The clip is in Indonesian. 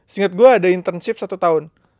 seingat gue ada internship satu tahun